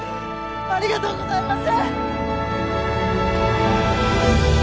ありがとうございます！